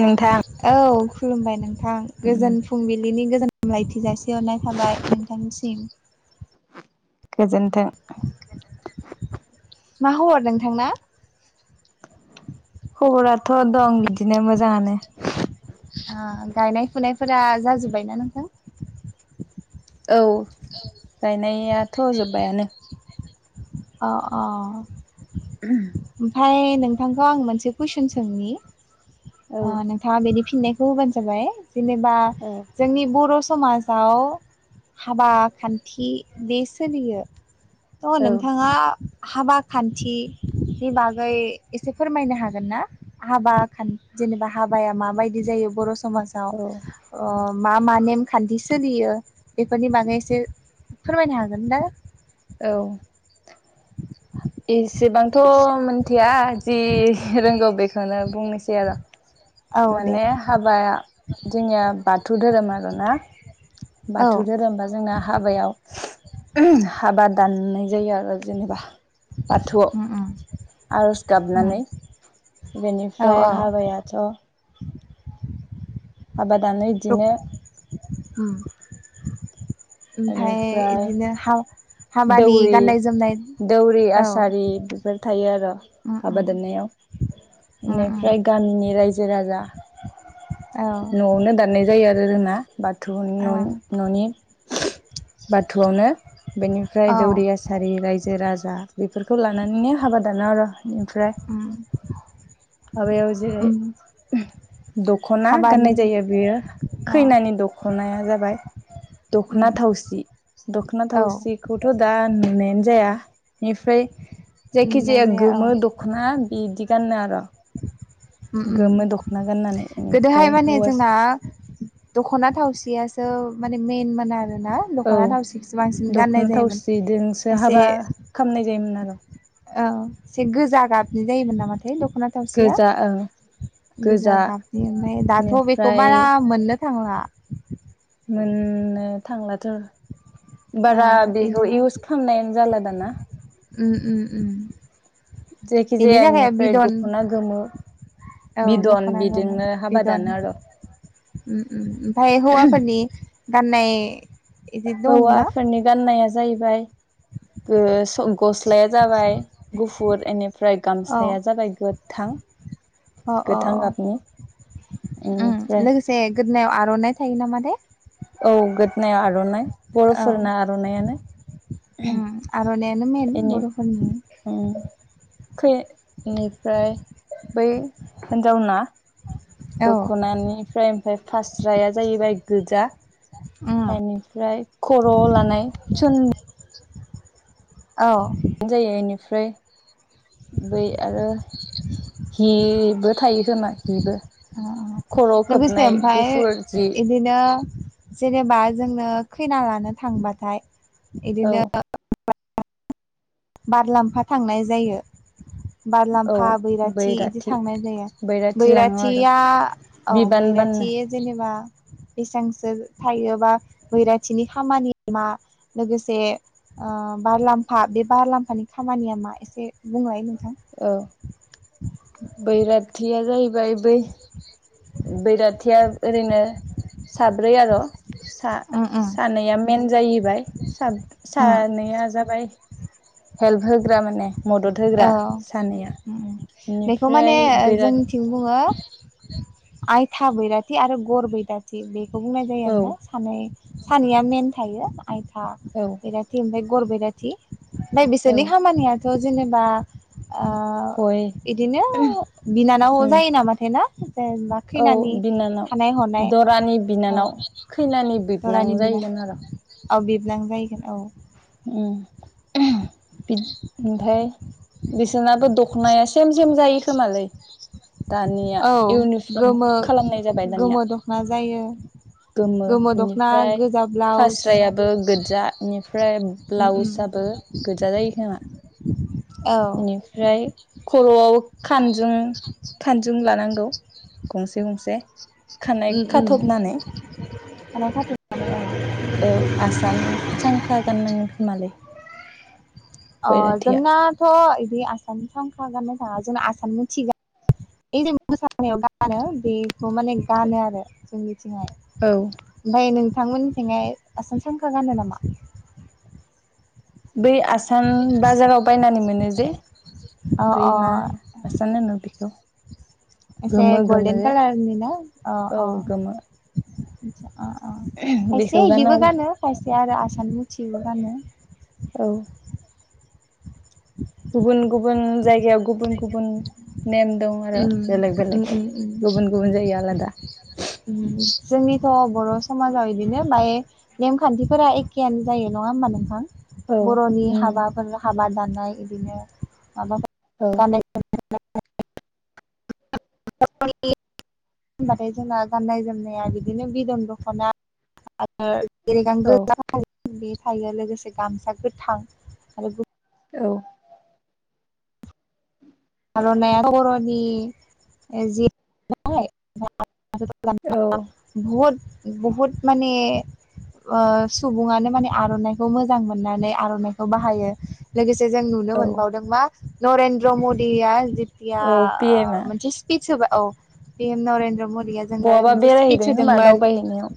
नोंथां औ खुलुमबाय नोंथां गोजोन फुंबिलिनि गोजोन हामलायथि जासिहरनाय थाबाय नोंथांनिसिम गोजोनथों मा हर नोंथांना खबराथ' दं बिदिनो मोजाङानो गायनाय फुनायफोरा जाजोब्बायना नोंथां? औ गायनायाथ' जोब्बायानो औ औ ओमफ्राय ओमफ्राय नोंथांखौ आं मोनसे कुइसन सोंनि औ नोंथां बिनि फिननायखौ होबानो जाबाय जेनेबा औ जोंनि बर' समाजाव हाबा खान्थि बे सोलियो थ' नों थांआ हाबा खान्थिनि बागै एसे फोरमायनो हागोन ना? हाबा खान जेनेबा हाबाया माबायदि जायो बर' समाजाव औ अ मा मा नेमखान्थि सोलियो बेफोरनि बागै एसे फोरमायनो हागोन दा औ एसेबां थ' मिथिया जि रोंगौ बेखौनो बुंनोसै आरो औ दे माने हाबाया जोंनिया बाथौ धोरोम आर ना औ बाथौ धोरोम बा जोंना हाबायाव हाबा दाननाय जायो आरो जेनेबा उम उम बाथौआव आर'ज उम गाबनानै औ बेनिफ्राय औ हाबाया ओ हाबा दानो बिदिनो ओम ओमफाय बेनिफ्राय इदिनो हा हाबानि दौरि गाननाय जोमनाय दौरि औ आसारि फोर थायो आरो उम हाबा उम दाननायाव उम उम बेनिफ्राय गामिनि रायजो राजा औ नवावनो दाननाय जायो आरो रोङा बाथौ ओ न'नि बाथौआवनो बेनिफ्राय औ दौरि आसारि रायजो राजा बेफोरखौ लानानैनो हाबा दान आरो' ओमफ्राय अ हाबायाव जेरै दख'ना हाबानि गाननाय जायो बेयो अ खैनानि दख'नाया जाबाय उम दखना थावसि दखना औ थावसि बेखौथ' दा नुनायानो जाया बेनिफ्राय जायखि नुनाय जाया औ गोमो दख'ना बिदि गानो आरो गोमो दख'ना गाननानै गोदोहाय बेनिफ्राय माने हौवा जोंना दख'ना थावसियासो माने मेइन मोना आरोना औ दख'ना थावसिखौसो बांसिन गाननाय जायोमोन एसे खामनाय जायोमोन आरो औ एसे गोजा गाबनि जायोमोन नामाथाय दख'ना थावसिया गोजा ओं गोजा गाबनि ओमफ्राय दाथ' बेखौ बेनिफ्राय बारा मोननो जा [inaudible] मोननो थांलाथ' ओ बारा इनि बेखौ इउस खालामनायानो जाला दाना ओम ओम ओम जायखिजाया बेनिफ्राय दख'ना गोमो औ बिदन दख'ना गोमो बिजोंनो हाबा बिदन जानो आरो' ओमफ्राय हौवाफोरनि गाननाय इदि दंना हौवाफोरनि गाननाया जाहैबाय गस्लाया जाबाय गुफुर ए ओमफ्राय औ गामसाया जाबाय गोथां अ अ गोथां गाबनि ओमफ्राय ए गोदोनायाव आर'नाइ थायो नामा दे औ गोदनाय आर'नाइ औ बर'फोरना आर'नायानो आर'नायानो मेन बर'फोरनि बेनिफ्राय बै हिनजावना औ दख'नानिफ्राय ओमफ्राय फास्राया जाहैबाय गोजा अ बेनिफ्राय खर' लानाय औ जायो बेनिफ्राय बै आरो हिबो थायो खोमा हिबो खर' खोबनाय गुफुर जि बिदिनो जेनेबा जोंनो खैना लानो थांबाथाय औ बिदिनो बारलाम्फा थांनाय जायो औ बारलामफा बैराथि बिदि थांनाय जायो बैराथि लाङो आरो बैराथिया औ बिबान बाननो बैराथि जेनेबा बेसेबांसो थायोबा बैराथिनि खामानि मा लोगोसे बारलाम्फा बे बारलाम्फानि खामानिया मा एसे बुंलाय नोंथां औ बैराथिया जाहैबाय बै बैराथिया ओरैनो साब्रै आरो' उम उम सानैया मेन जाहैबाय उम सानैया जाबाय हेल्प होग्रा माने मदद औ होग्रा सानैया बेनिफ्राय बिराद थिं बुङो आयथा बैराथि आरो गर बैराथि बेखौ बुंनाय जायो औ आरोना सानै सानैया मेन थायो आइथा औ रथि ओमफ्राय गर बैराथि ओमफ्राय औ बिसोरनि खामानियाथ' जेनेबा गय बिदिनो बिनानाव उम जायो नामाथाय ना जेनबा औ खैनि बिनानाव खानाय हनाय दरानि औ बिनानाव खैनानि बिबोनां दरानि दिन जाहैगोन आरो औ बिबोनां जाहैगोन औ ओमफ्राय बिसनाबो दख'नाया सेम सेम जायो खोमालाय दानिया औ इउनिफर्म गोमो खालामनाय जाबाय दानिया गोमो दख'ना जायो गोमो दख'ना बेनिफ्राय गोजा ब्लाउस फास्रायाबो गोजानिफ्राय ओमफ्राय उम उम ब्लाउसआबो गोजा जायो खोमा औ बेनिफ्राय खर'आवबो खानजुं खानजुं लानांगौ गंसे गंसे खानाय ओ ओ खाथबनानै औ आसान सांखा गाननांगोन खोमालाय जोंनाथ' बिदि आसामनि थांखा गाननो थाङा जोंना आसामनि थिग बे जों मोसानायाव गानो बेखौ माने गानो आरो जोंनिथिंहाय औ ओमफ्राय नोंथांमोननिथिहाय आसान सानखा गानो नामा बै आसान बाजाराव बायनानै मोनो जे अ बै मा अ हासान होनो बेखौ एसे गोमो गोमो गल्डेन जे कालारनि ना अ औ अ गोमो अ खायसे बेखौ इलिबो आरो गानो खायसे आरो आसान मथियबो गानो औ [inaudible] गुबुन गुबुन जायगायाव गुबुन गुबुन नेम दं आरो उम बेलेक उम बेलेग उम उम गुबुन गुबुन जायो आलादा जोंनिथ' बर' समाजाव बिदिनो बाय नेमखान्थिफोरा एखेयानो जायो नङा होमबा नोंथां औ बर'नि उम हाबाफोर हाबा दानाय बिदिनो माबाफोर औ होनबाथाय जोंना गाननाय जोमनाया बिदिनो बिदन दख'ना औ [unintelligible] बे थायो लोगोसे गामसा गोथां आरो औ आर'नाइ बर'नि जि औ बहुद बहुद माने सुबुङानो माने आर'नाइखौ मोजां मोननानै आर'नाइखौ बाहायो लोगोसे जों नुनो औ मोनबावदों मा नरेन्द्र मदि औ पि एमआ मोनसे स्पिस होबाय औ पिम नरेन्द्र मदिया जों बहाबा मोनसे स्पिच बेरायहैदों खोमा होदोंमोन दावबायहैनायाव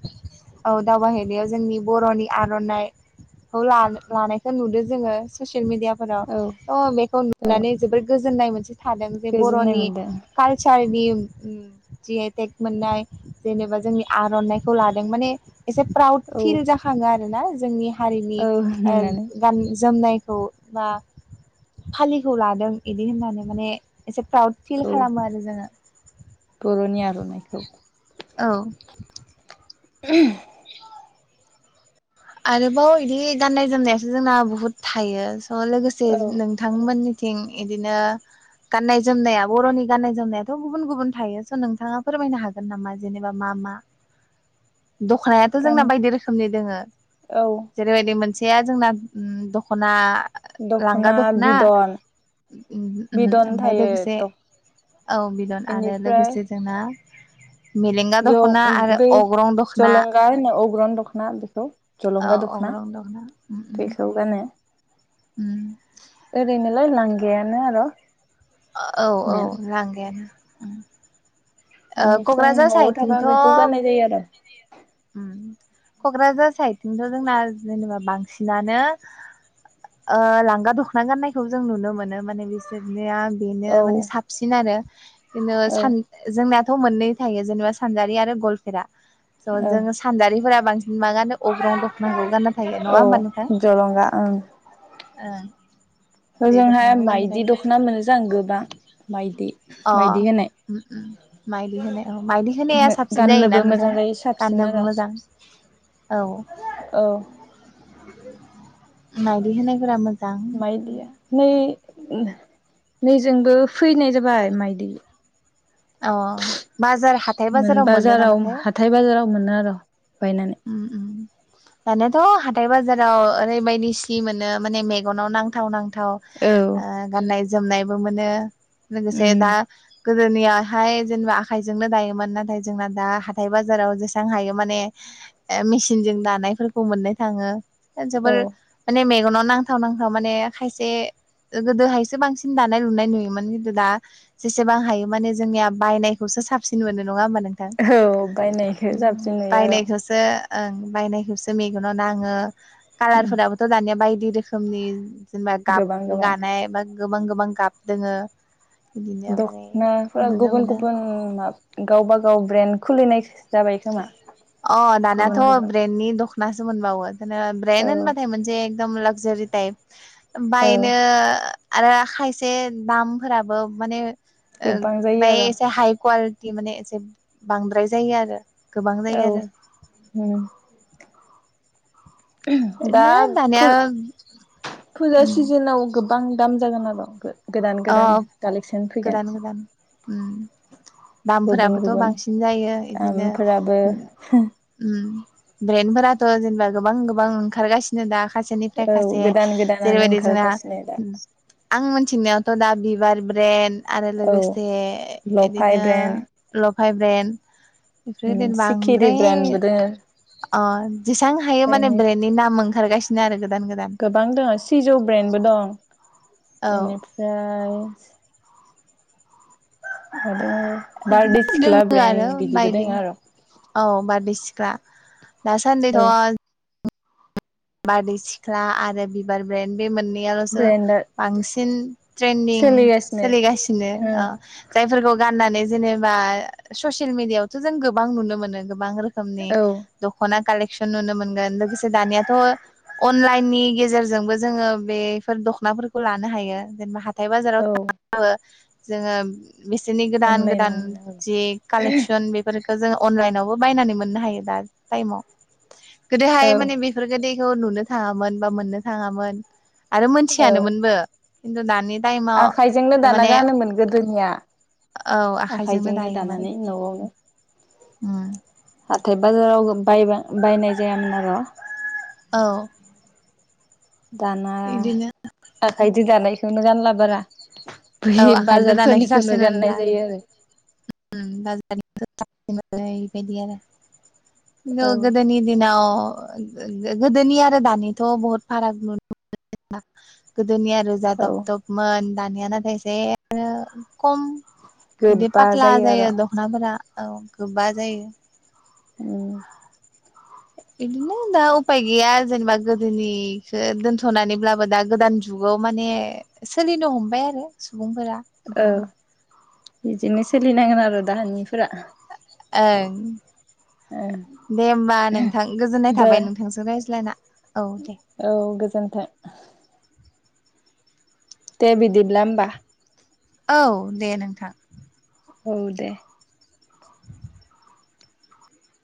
औ दावबायाहैनायाव जोंनि बर'नि आर'नाइ औ लानायखौ नुदो जोङो ससियेल मिडिया फोराव औ थ बेखौ औ नुनानै जोबोर गोजोननाय मोनसे थादों जे गोजोननाय बर'नि मोनदों काल सारनि जिए टेक मोननाय जेनेबा जोंनि आर'नाइखौ लादों माने एसे प्राउड औ फिल जाखाङो आरोना जोंनि हारिनि औ नुनानै गान जोमनायखौ बा फालिखौ लादों बिदि होननानै माने एसे प्राउद फिल औ खालामो आरो जोङो बर'नि आर'नाइखौ औ ओ आरोबाव बिदि गाननाय जोमनायासो जोंना बहुद थायो स' लोगोसे औ नों थांमोननिथिं बिदिनो गाननाय जोमनाया बर'नि गाननाय जोमनायाथ' गुबुन गुबुन थायो स' नोंथाङा फोरमायनो हागोन हागोन नामा जेनेबा मा मा [inaudible] दख'नायाथ' गान जोंना बायदि रोखोमनि दोङो औ जेरैबायदि मोनसेया जोंना दख'ना लांगा दखना बिदन ओमफफ्राय थायो लोगोसे द औ बिदन आरो लोगोसे बेनिफ्राय जोंना मेलेंगा ज दख'ना आरो बे अग्रं दख'ना जलंगा होनो अग्रं दखना बेखौ औ अग्रं दखना गान ने उम ओरैनोलाय लांगैआनो आरो औ औ मेन लांगायानो बेनिफ्राय क'क्राझार न'आव थाबा बेखौ साइतथ' गाननाय जायो आरो क'क्राझार साइदथिंथ' जोंना जेनेबा बांसिनानो लांगा दखना गाननायखौ जों नुनो मोनो माने बिसोरनिया बेनो औ माने साबसिन आरो बिदिनो औ सान जोंनाथ' मोननै थायो जेनेबा सानजारि आरो गलफेरा औ जों सानजारिफोरा बांसिन मा गानो अग्रं दख'नाखौ गानना थायो नङा होमबा नोंथां औ जलंगा ओं ओं बे ओजोंहाय दख'नाखौ गानना माइदि थायो दख'ना मोनोस आं गोबां माइदि अ माइदि माइ मायदि होनाय औ मायदि होनाया होनाय साबसिन जायोना गाननोबो नोंथां मोजां जायो साबसिन गाननोबो आरो मोजां औ औ मनायदिहोनायफोरा मोजां मायदिया नै नैजोंबो फैनाय जाबाय माइदि अ बाजार हाथाय मोन मोनो बाजाराव नामाथाय हाथाय बाजाराव मोनो आरो' बायनानै उम उम दानाथ' हाथाय बाजाराव ओरैबायदि सिनि मोनो माने मेगनाव नांथाव नांथाव औ थाव गाननाय जोमनायबो मोनो लोगोसे उम दा गोदोनिया हाय जेनेबा आखायजोंनो दायोमोन नाथाय जोंना दा हाथाय बाजाराव जेसां हायो माने मेसिनजों दानायफोरखौ मोननो थाङो औ जोबोर माने मेगनाव नांथाव नांथाव माने खायसे गोदोहायसो बांसिन दानाय लुनाय नुयोमोन खिन्थु दा जेसेबां हायो माने जोंनिया बायनायखौसो साबसिन मोनो नङाहमबा नोंथां औ बायनायखौ साबसिन नुयो आरो बायनायखौसो बायनायखौसो मेगनाव न आङो कालारफोराबो थ दानिया बायदि रोखोमनि जेनेबा गाब गोबां गोबां गानाय बा गोबां गोबां गाब दोङो बिदिनो माने दख'नाफोरा नुनो गुबुन मोनो गुबुन म गावबा गाव ब्रेन्ड खुलिनाय जाबाय खोमा अ दानाथ' गुबुन गुबुन ब्रेन्दनि दखना सोमोनबावो जेनबा ब्रेेन औ होनबाथाय मोनसे एखदमबारे लागजारि टाइप औ बायनो आरो खायसे दामफोराबो माने गोबां जायो ओमफ्राय आरो एसे हाइ कुवालिटि माने एसे बांद्राय जायो आरो गोबां औ जायो आरो दा ओरैनो दानिया फुजा सिजोनाव गोबां गोबां दाम जागोन आरो गोदान गोदान अ कालेकसन फैगोन गोदान गोदान गुबुन दामफोराबोथ' गुबुन बांसिन जायो बिदिनो दामफोराबो ब्रेेन फोराथ' जेनेबा गोबां गोबां ओंखारगासिनो दा औ खायसेनिफ्राय खायसे गोदान गोदानानो जेरैबायदि जोंना ओंखारगासिनो दा आं मिथिनायावथ' दा बिबार ब्रेन आरो औ लोगोसे लफाय बिदिनो ब्रेन्ड लफाय ब्रेन् बेफोरबायदिनो सिखिरि बांद्राय ब्रेन्डबो दोङो अ जेसां हायो माने ओमफ्राय ब्रेन्डनि नाम ओंखारगासिनो आरो गोदान गोदान गोबां दङ सिजौ ब्रेन्डबो दं औ बेनिफ्राय आरो बिदिनो बारदैसिख्ला दोङो आरो ब्रेन्ड बिदिबो बायदि दङ आरो औ बारदै सिख्ला औ दासान्दैथ' बारदै सिख्ला आरो बिबार ब्रेन्ड बे मोननैयाल'सो ब्रेन्डआ बांसिन ट्रेन्दिं सोलिगासिनो सोलिगासिनो जायफोरखौ गाननानै जेनेबा ससियेल मिडियायावथ' जों गोबां नुनो मोनो गोबां रोखोम नि औ दख'ना कालेकसन नुनो मोनगोन लोगोसे दानिया थ' अनलाइननि गेजेरजोंबो जोङो बेफोर दख'नाफोरखौ लानो हायो जेनेबा हाथाय हाथाय बाजाराव औ थांनानैबाबो जोङो बिसोरनि गोदान गोदान अनलाइनाव मोनो जि कालेकसन बेफोर जो अनलाइनावबो बायनानै मोननो हायो दानि ताइमाव औ गोदोहाय माने बे बेफोर गोदैखौ नुनो थाङामोन बा मोननो थाङामोन आरो औ मोनथियानोमोनबो खिनतु दानि टाइमाव आखाइजोंनो दाना थारमाने गानोमोन गोदोनिया औ आखाइजोंनो दायोमोन दानानै न'आवनो हाथाय बाजाराव बाय बायनाय जायामोन आरो' औ दाना इदिनो आखाइदो दानायखौनो गानला बारा औ बै आखाइजों बाजारफोरनिखौनो गाननाय जायो आरो बाजारनिफ्राइ फाननाय बेबायदि आरो खिनथु आरो औ गोदोनि दिनाव गोदोनि आरो दानिथ' बहुत फाराग नुनो गोदोनि आरो जाथब औ थपमोन दानिया नाथाय एसे आरो खम बिदि गोबा पात्ला आरो जायो दख'नाफोरा औ गोबा जायो उ बिदिनो दा उफाय गैया जेनेबा गोदोनिखौ दोनथ'नानैब्लाबो दा गोदान जुगाव माने सोलिनो हमबाय आरो सुबुंफोरा औ बिदिनो बिदिनो सोलिनांगोन आरो दाहानिफोरा ओं दे होमबा नोंथां गोजोननाय दे थाबाय नोंथां नोंजों रायज्लायना औ दे औ गोजोन्थों दे बिदिब्ला होमबा औ दे नोंथां औ दे